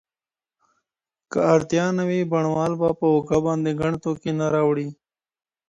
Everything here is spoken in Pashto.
که اړتیا نه وي، بڼوال به په اوږه باندي ګڼ توکي ونه راوړي.